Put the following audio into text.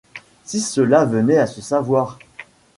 Si cela venait à se savoir?